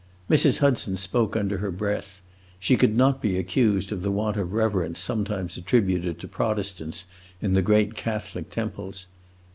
Mrs. Hudson spoke under her breath; she could not be accused of the want of reverence sometimes attributed to Protestants in the great Catholic temples.